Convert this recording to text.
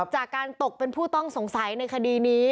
จากการตกเป็นผู้ต้องสงสัยในคดีนี้